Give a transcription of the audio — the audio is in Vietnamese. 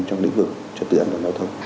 trong lĩnh vực trực tự an toàn giao thông